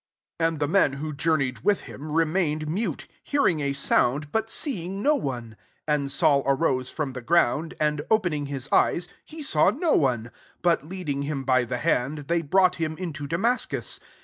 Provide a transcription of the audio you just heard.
7 And the men who journeyed with him re mained mute, hearing a soun^ but seeing no one. 8 And Sad arose from the ground; aw opening his eyes, he saw wl one: but, leading him by the hand, they brought him into Damascus.